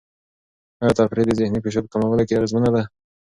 آیا تفریح د ذهني فشار په کمولو کې اغېزمنه ده؟